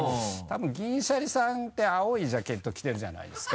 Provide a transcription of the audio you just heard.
銀シャリさんって青いジャケット着てるじゃないですか。